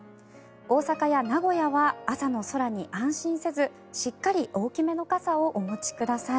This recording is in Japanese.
大阪や名古屋は朝の空に安心せずしっかり大きめの傘をお持ちください。